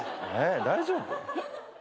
大丈夫？